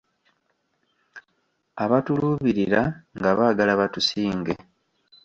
Abatuluubirira nga baagala batusinge.